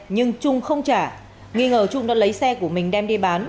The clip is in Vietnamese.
nhưng trung không trả nghi ngờ trung đã lấy xe của mình đem đi bán